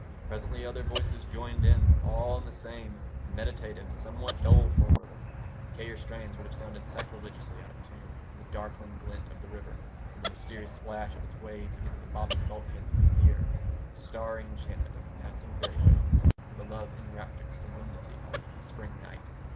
Presently other voices joined in, all in the same meditative, somewhat doleful rhythm. Gayer strains would have sounded sacrilegiously out of tune with the darkling glint of the river, with the mysterious splash of its waves against the bobbing bulkheads of the pier, with the starry enchantment of the passing ferry boats, with the love enraptured solemnity of the spring night.